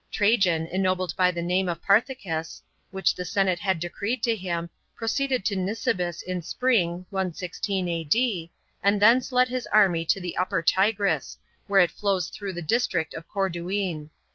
Trajan, ennobled by the name of Parthicus, which the senate had decreed to him, proceeded to Nisibis in spring (116 A.D.), and thence lijd his army to the upper Tigris, where it flows through the district of Corduene.